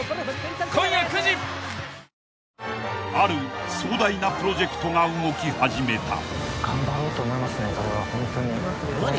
［ある壮大なプロジェクトが動き始めた］